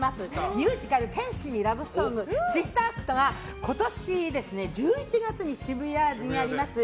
ミュージカル「天使にラブ・ソングをシスター・アクト」が今年１１月に渋谷にあります